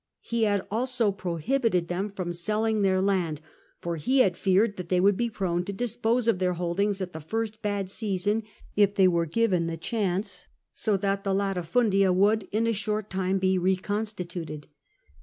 He had also prohibited them from selling their land, for he had feared that they would he prone to dispose of their holdings at the first bad season, if they were given the chance, so that the laiiifimdia would in a short time be reconstituted.